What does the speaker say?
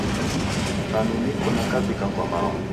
Tanu niko nakavika kwa mao.